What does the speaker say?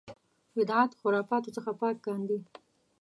بدعت خرافاتو څخه پاک کاندي.